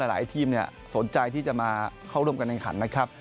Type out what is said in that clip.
หลายทีมเนี่ยสนใจที่จะมาเข้าร่วมกันในขันนะครับ